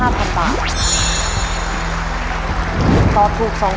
ว่าจะสามารถคว้าทุนไปต่อชีวิตต่อลมหายใจให้กับลูกน้อย